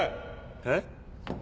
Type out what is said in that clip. えっ？